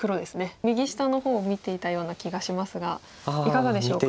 右下の方を見ていたような気がしますがいかがでしょうか？